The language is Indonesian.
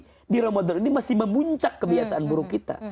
jadi ramadhan ini masih memuncak kebiasaan buruk kita